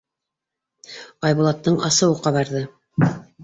Айбулаттың асыуы ҡабарҙы: